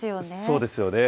そうですよね。